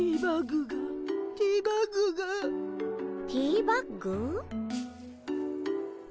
ティーバッグがティーバッグが。